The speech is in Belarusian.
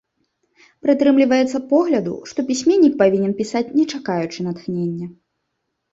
Прытрымліваецца погляду, што пісьменнік павінен пісаць не чакаючы натхнення.